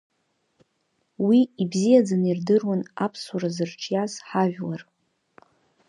Уи ибзиаӡаны ирдыруан Аԥсуара зырҿиаз ҳажәлар.